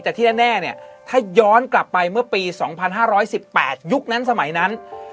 แต่ที่แน่เนี่ยถ้าย้อนกลับไปเมื่อปี๒๕๑๘ยุคนั้นสมัยนั้น